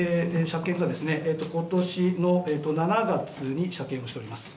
車検が、ことしの７月に車検をしております。